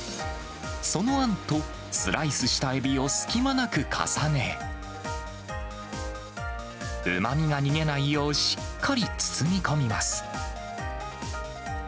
そのあんとスライスしたエビを隙間なく重ね、うまみが逃げないよう、しっかり包み込みます。